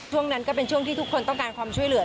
ช่วงนั้นก็เป็นช่วงที่ทุกคนต้องการความช่วยเหลือ